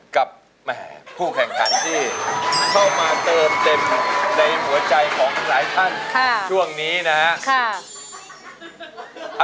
กับแหมผู้แข่งขันที่เข้ามาเติมเต็มในหัวใจของหลายท่านช่วงนี้นะครับ